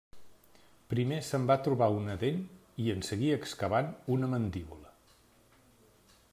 Primer se'n va trobar una dent i en seguir excavant, una mandíbula.